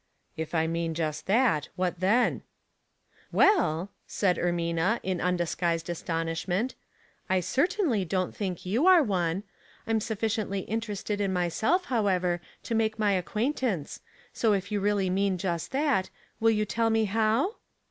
" If I mean just that, what then ?" "Well," said Ermina, in undisguised astonish The Force of Argument, 233 ment, " I certainly don't think you are one. I am sufficiently interested in myself, however, to make my acquaintance ; so if you really mean just that, will you tell me how